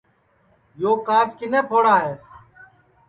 یو کاچ کِنے پھوڑا ہے